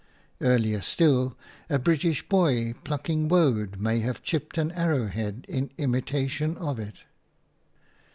Earlier still, a British boy plucking woad may have chipped an arrow head in imitation of it.